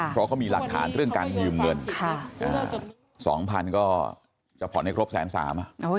เพราะเขามีหลักฐานเรื่องการยืมเงิน๒๐๐ก็จะผ่อนให้ครบแสนสาม